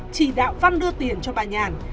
chỉ đạo văn đưa tiền cho bà nhàn